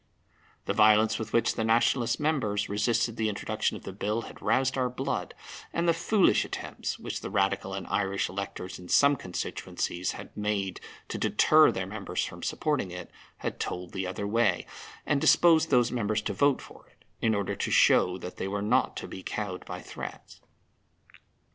The violence with which the Nationalist members resisted the introduction of the Bill had roused our blood, and the foolish attempts which the Radical and Irish electors in some constituencies had made to deter their members from supporting it had told the other way, and disposed these members to vote for it, in order to show that they were not to be cowed by threats.